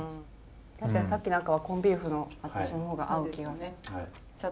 確かにさっきの赤はコンビーフのあっちの方が合う気がする。